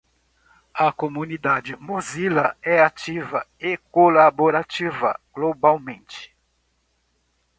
A comunidade Mozilla é ativa e colaborativa globalmente.